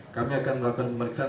kami akan melakukan pemeriksaan